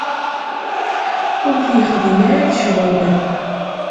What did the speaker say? Ur t-yexdim ara d ccɣel.